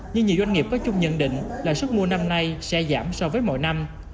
nhưng nhiều doanh nghiệp có chung nhận định là sức mua năm nay sẽ giảm so với mọi năm